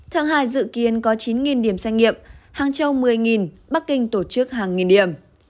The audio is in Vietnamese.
tháng hai dự kiến có chín điểm xét nghiệm hàng châu một mươi bắc kinh tổ chức hàng nghìn điểm